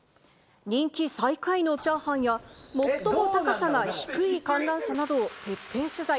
人気最下位のチャーハンや、最も高さが低い観覧車などを徹底取材。